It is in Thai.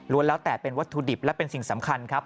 แล้วแต่เป็นวัตถุดิบและเป็นสิ่งสำคัญครับ